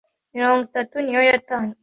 mirongo itatu niyo yatanzwe